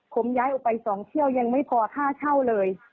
ผมย้ายออกไป๒เที่ยวยังไม่พอค่าเช่าเลย